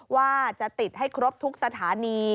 ว่าจะติดให้ครบทุกสถานี